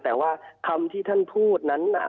แต่ว่าคำที่ท่านพูดนั้นน่ะ